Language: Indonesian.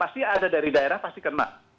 pasti ada dari daerah pasti kena